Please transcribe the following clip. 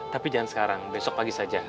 tapi jangan sekarang besok pagi saja